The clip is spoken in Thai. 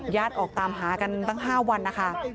ออกตามหากันตั้ง๕วันนะคะ